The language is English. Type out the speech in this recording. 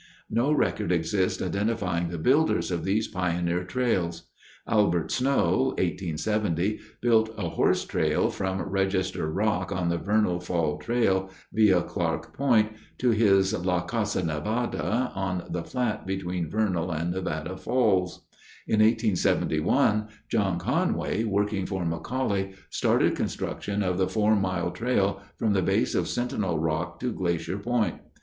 No record exists identifying the builders of these pioneer trails. Albert Snow, 1870, built a horse trail from "Register Rock" on the Vernal Fall Trail, via Clark Point, to his "La Casa Nevada" on the flat between Vernal and Nevada falls. In 1871, John Conway, working for McCauley, started construction of the Four Mile Trail from the base of Sentinel Rock to Glacier Point.